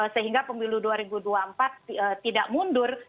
sehingga pemilu dua ribu dua puluh empat tidak mundur